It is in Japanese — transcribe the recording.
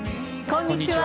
こんにちは。